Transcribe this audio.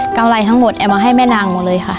กำไรทั้งหมดแอมมาให้แม่นางหมดเลยค่ะ